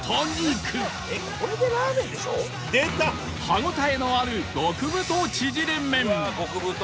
歯応えのある極太ちぢれ麺